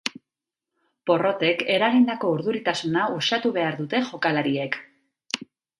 Porrotek eragindako urduritasuna uxatu behar dute jokalariek.